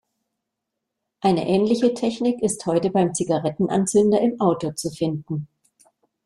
Eine ähnliche Technik ist heute beim Zigarettenanzünder im Auto zu finden.